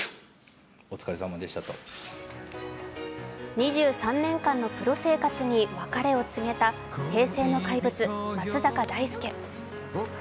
２３年間のプロ生活に別れを告げた平成の怪物、松坂大輔。